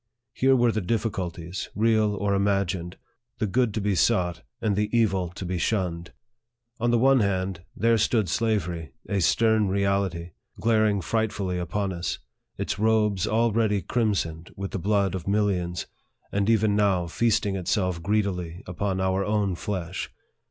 Here were the difficulties, real or im agined the good to be sought, and the evil to be shunned. On the one hand, there stood slavery, a stern reality, glaring frightfully upon us, its robes already crimsoned with the blood of millions, and even now feasting itself greedily upon our own flesh.